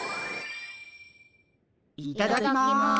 いただきます。